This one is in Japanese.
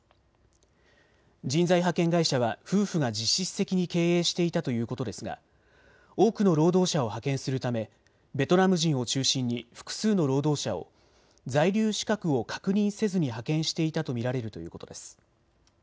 人材派遣会社は夫婦が実質的に経営していたということですが多くの労働者を派遣するためベトナム人を中心に複数の労働者を在留資格を確認せずに派遣していたと見られるということです。